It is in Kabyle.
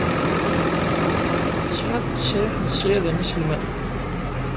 Tesɛiḍ ttesriḥ n ṣṣyada n yiselman?